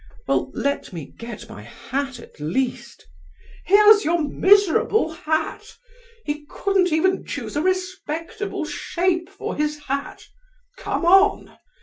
"Well, let me get my hat, at least." "Here's your miserable hat. He couldn't even choose a respectable shape for his hat! Come on!